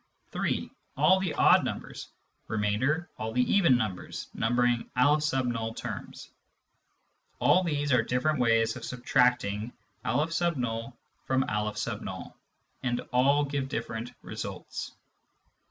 (3) All the odd numbers— remainder, all the even numbers, numbering N terms. All these are different ways of subtracting n from M , and all give different results.